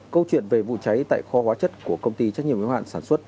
câu chuyện về vụ cháy tại kho hóa chất của công ty trách nhiệm yếu hạn sản xuất